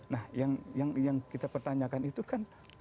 nah yang kita pertanyakan itu kan